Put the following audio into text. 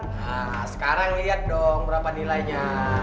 nah sekarang lihat dong berapa nilainya